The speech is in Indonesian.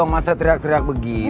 masa teriak teriak begitu